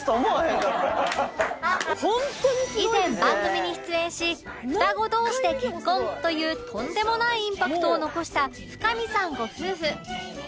以前番組に出演し双子同士で結婚というとんでもないインパクトを残した深見さんご夫婦